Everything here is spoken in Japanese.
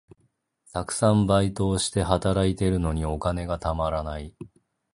たくさんバイトをして、働いているのにお金がたまらない。